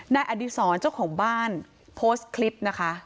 อดีศรเจ้าของบ้านโพสต์คลิปนะคะ